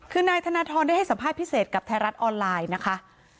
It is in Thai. คือนายธนทรได้ให้สัมภาษณ์พิเศษกับไทยรัฐออนไลน์นะคะ